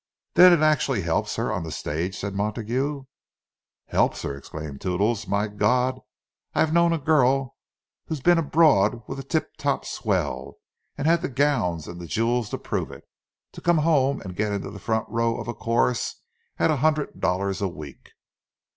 "Then it actually helps her on the stage!" said Montague. "Helps her!" exclaimed Toodles. "My God! I've known a girl who'd been abroad with a tip top swell—and had the gowns and the jewels to prove it—to come home and get into the front row of a chorus at a hundred dollars a week."